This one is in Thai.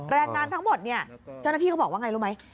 แรงงานทั้งหมดเนี่ยเจ้าหน้าที่เขาบอกว่าไงรู้ไหม